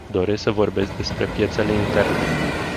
Doresc să vorbesc despre piețele interne.